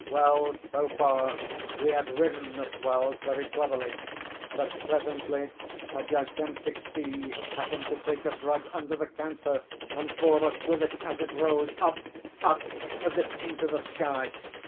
"Well, so far we had ridden the swells very cleverly; but presently a gigantic sea happened to take us right under the counter, and bore us with it as it rose—up—up—as if into the sky.